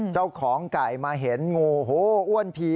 เจ้าของไก่มาเห็นงูโหอ้วนผี